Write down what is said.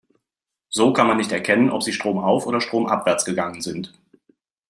So kann man nicht erkennen, ob sie stromauf- oder stromabwärts gegangen sind.